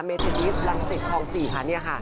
เมธิดิสลัมสิทธิ์ครองสี่ค่ะเนี่ยค่ะ